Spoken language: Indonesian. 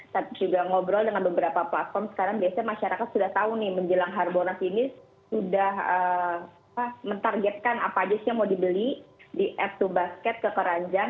dan juga ngobrol dengan beberapa platform sekarang biasanya masyarakat sudah tahu nih menjelang hard bolnas ini sudah men targetkan apa aja sih yang mau dibeli di app to basket ke keranjang